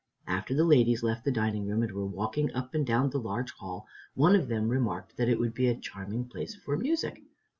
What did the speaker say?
After the ladies left the dining room and were walking up and down the large hall, one of them remarked that it would be a charming place for music.